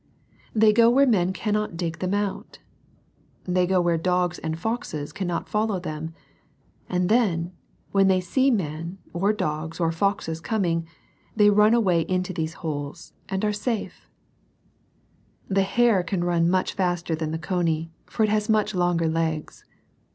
They go where men cannot dig them out. They go where dogs and foxes cannot follow them. And then, when they see men, or dogs, or foxes coming, they run away into those holes, and aie ?a.fe, ' LITTLE AND WISE. 49 The hare can run much faster than the cony, for it has much longer legs.